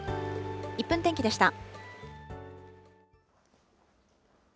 １分天気でした。